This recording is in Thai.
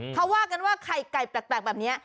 เขาว่ากันว่าไข่ไก่แปลกแบบนี้